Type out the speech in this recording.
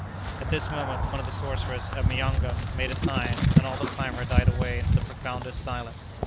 At this moment, one of the sorcerers, a "myanga," made a sign, and all the clamor died away into the profoundest silence.